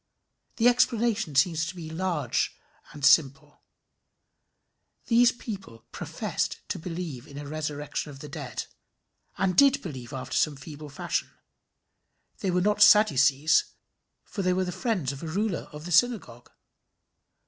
The explanation seems to me large and simple. These people professed to believe in the resurrection of the dead, and did believe after some feeble fashion. They were not Sadducees, for they were the friends of a ruler of the synagogue.